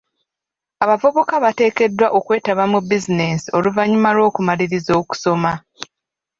Abavubuka bateekeddwa okwetaba mu bizinensi oluvannyuma lw'okumaliriza okusoma.